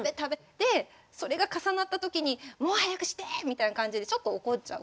でそれが重なった時に「もう早くして！」みたいな感じでちょっと怒っちゃうことがあって。